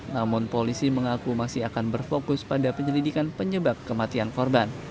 namun polisi mengaku masih akan berfokus pada penyelidikan penyebab kematian korban